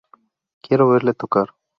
Quiero verle tocar.